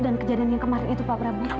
dan kejadian yang kemarin itu pak prabowo